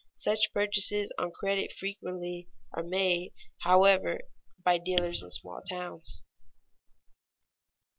Such purchases on credit frequently are made, however, by dealers in small towns.